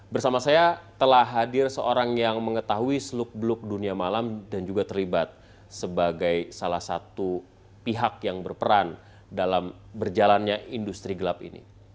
bersama saya telah hadir seorang yang mengetahui seluk beluk dunia malam dan juga terlibat sebagai salah satu pihak yang berperan dalam berjalannya industri gelap ini